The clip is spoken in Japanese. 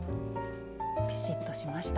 ピシッとしました。